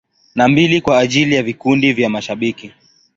Na mbili kwa ajili ya vikundi vya mashabiki.